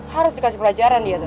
harus dikasih pelajaran dia tuh